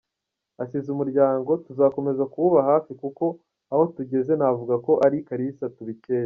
Asize umuryango tuzakomeza kuwuba hafi kuko aho tugeze navuga ko ari Kalisa tubikesha.